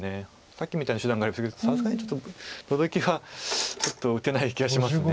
さっきみたいな手段があればいいですけどさすがにちょっとノゾキはちょっと打てない気がします。